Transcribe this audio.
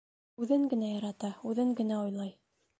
-Үҙен генә ярата, үҙен генә уйлай.